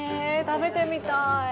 食べてみたい。